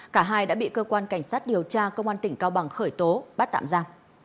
cả hai đã bị cơ quan cảnh sát điều tra công an tỉnh cao bằng khởi tố bắt tạm ra